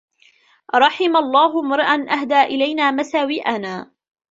رَحِمَ اللَّهُ امْرَأً أَهْدَى إلَيْنَا مَسَاوِئَنَا